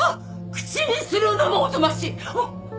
口にするのもおぞましい！